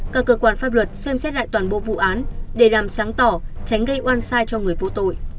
các cơ quan pháp luật xem xét lại toàn bộ vụ án để làm sáng tỏ tránh gây oan sai cho người vô tội